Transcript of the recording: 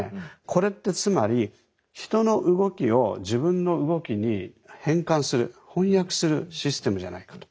これってつまり人の動きを自分の動きに変換する翻訳するシステムじゃないかと。